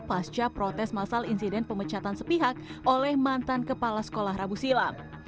pasca protes masal insiden pemecatan sepihak oleh mantan kepala sekolah rabu silam